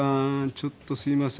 ちょっとすいません。